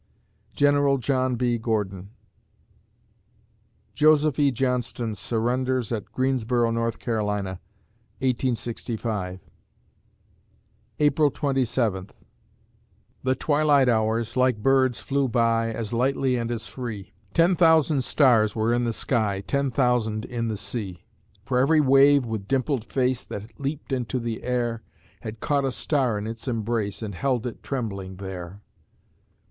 GENERAL JOHN B. GORDON Joseph E. Johnston surrenders at Greensboro, N. C., 1865 April Twenty Seventh The twilight hours, like birds, flew by, As lightly and as free; Ten thousand stars were in the sky, Ten thousand in the sea; For every wave, with dimpled face, That leaped into the air, Had caught a star in its embrace And held it trembling there.